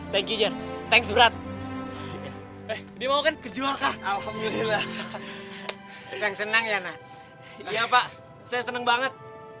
thank you thanks berat dia mau kejuaka alhamdulillah senang senang ya nak iya pak saya senang banget